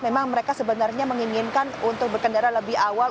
memang mereka sebenarnya menginginkan untuk berkendara lebih awal